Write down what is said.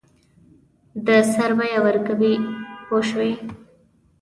د سر بیه ورکوي پوه شوې!.